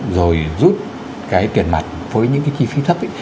rồi rút cái tiền mặt với những cái chi phí thấp